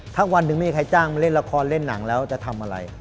ถ้าวันหนึ่งไม่มีใครจ้างมาเล่นละครเล่นหนังแล้วจะทำอะไร